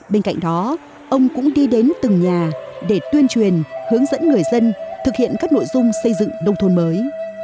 bên cạnh đó ông cũng đi đến từng nhà để tuyên truyền hướng dẫn người dân thực hiện các nội dung xây dựng nông thôn mới